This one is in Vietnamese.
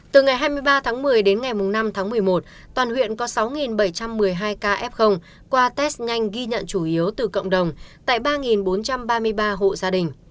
từ ngày hai mươi ba tháng một mươi đến ngày năm tháng một mươi một toàn huyện có sáu bảy trăm một mươi hai ca f qua test nhanh ghi nhận chủ yếu từ cộng đồng tại ba bốn trăm ba mươi ba hộ gia đình